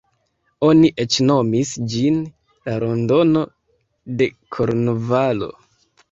Oni eĉ nomis ĝin "La Londono de Kornvalo".